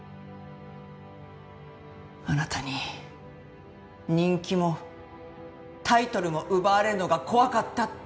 あなたに人気もタイトルも奪われるのが怖かったって。